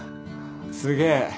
すげえ。